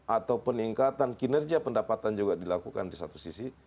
atau peningkatan kinerja pendapatan juga dilakukan di satu sisi